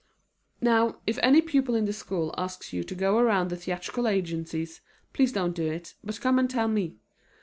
Now if any pupil in the school asks you to go around the theatrical agencies, please don't do it, but come and tell me.